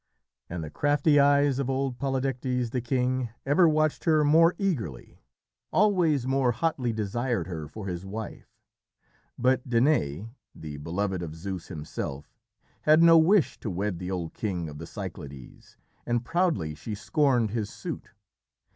And the crafty eyes of old Polydectes, the king, ever watched her more eagerly, always more hotly desired her for his wife. But Danaë, the beloved of Zeus himself, had no wish to wed the old king of the Cyclades, and proudly she scorned his suit.